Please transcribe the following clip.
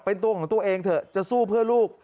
เป็นตัวของตัวเองเถอะจะสู้เพื่อลูก